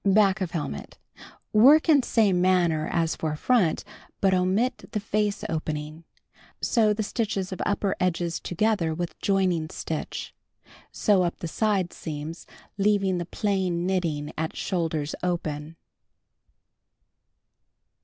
Back of Helmet. — Work in same manner as for front but omit the face opening. Sew the stitches of upper edges together with joining stitch. Sew up the side seams leaving the plain knitting at shoulders open.